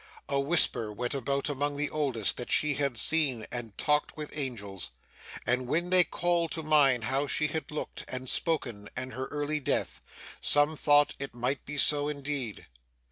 A whisper went about among the oldest, that she had seen and talked with angels; and when they called to mind how she had looked, and spoken, and her early death, some thought it might be so, indeed.